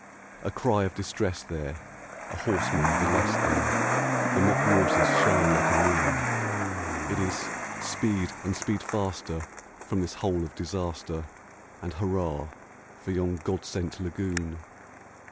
A cry of distress there! a horseman the less there! The mock waters shine like a moon! It is "Speed, and speed faster from this hole of disaster! And hurrah for yon God sent lagoon!"